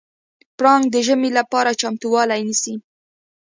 پړانګ د ژمي لپاره چمتووالی نیسي.